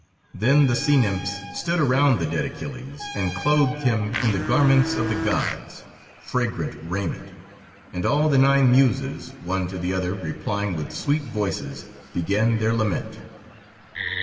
Then the sea nymphs stood around the dead Achilles and clothed him in the garments of the Gods, fragrant raiment, and all the Nine Muses, one to the other replying with sweet voices, began their lament.